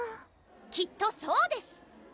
きっとそうです！